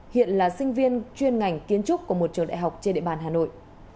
hiện là sinh viên chuyên ngành kiến trúc của một trường đại học trên địa bàn hà nội